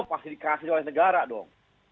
pasti dikasih oleh negara dong